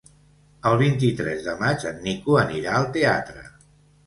El vint-i-tres de maig en Nico anirà al teatre.